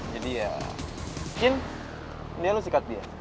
jadi ya cin dia lu sikat dia